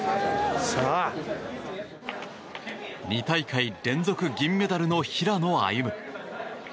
２大会連続銀メダルの平野歩夢。